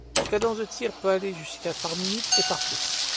La cadence de tir peut aller jusqu'à par minute et par pièce.